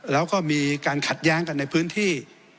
แล้วก็มีการขัดแย้งกันในพื้นที่